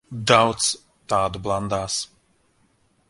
Daudz tādu blandās.